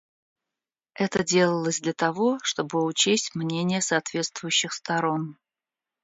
Это делалось для того, чтобы учесть мнения соответствующих сторон.